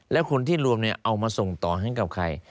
แล้วคนที่รวมเอามาส่งต่อให้กับใคร